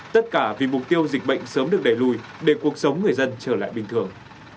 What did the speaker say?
tất cả vì mục tiêu dịch bệnh sớm được đẩy lùi để cuộc sống người dân trở lại bình thường